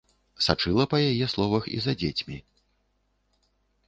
Сачыла, па яе словах, і за дзецьмі.